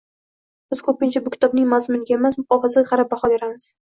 Biz qo‘pincha bu kitobning mazmuniga emas, muqovasiga qarab, baho beramiz